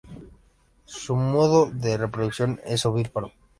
Su modo de reproducción es ovíparo.